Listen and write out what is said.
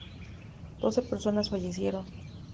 Doce personas fallecieron.